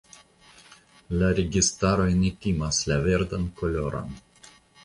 La registaroj ne timas la verdan koloron.